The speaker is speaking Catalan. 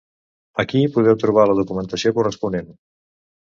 Aquí podeu trobar la documentació corresponent.